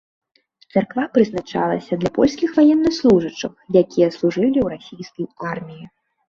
Царква прызначалася для польскіх ваеннаслужачых, якія служылі ў расійскай арміі.